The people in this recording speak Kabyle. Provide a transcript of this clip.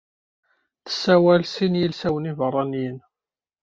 Tessawal sin yilsawen ibeṛṛaniyen.